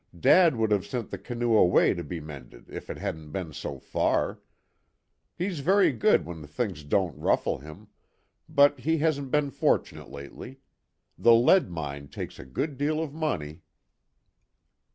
"Dad would have sent the canoe away to be mended if it hadn't been so far. He's very good when things don't ruffle him; but he hasn't been fortunate lately. The lead mine takes a good deal of money."